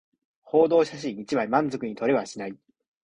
報道写真一枚満足に撮れはしない